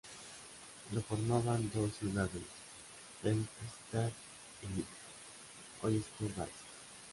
Lo formaban dos ciudades, Hempstead y Oyster Bay.